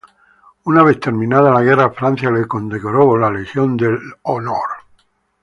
Una vez terminada la guerra, Francia la condecoró con la Legión de Honor.